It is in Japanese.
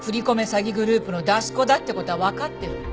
詐欺グループの出し子だって事はわかってるの。